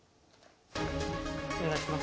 お願いします。